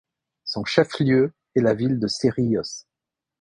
Son chef-lieu est la ville de Cerrillos.